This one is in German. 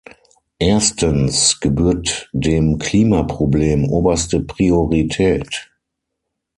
Erstens gebührt dem Klimaproblem oberste Priorität.